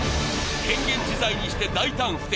変幻自在にして大胆不敵。